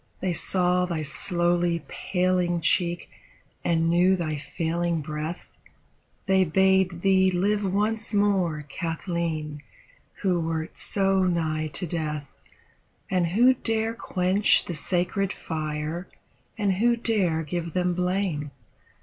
They saw thy slowly paling cheek and knew thy failing breath, They bade thee live once more, Kathleen, who wert so nigh to death. And who daxe quench the sacred fire, and who dare give them blame.